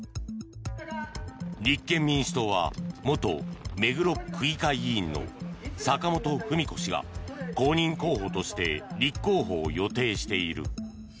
立憲民主党は元目黒区議会議員の坂本史子氏が公認候補として立候補を予定している。